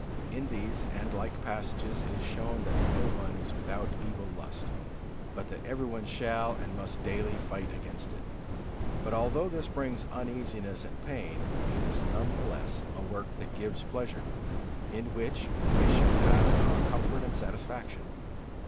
In these and like passages it is shown that no one is without evil lust; but that everyone shall and must daily fight against it. But although this brings uneasiness and pain, it is none the less a work that gives pleasure, in which we shall have our comfort and satisfaction.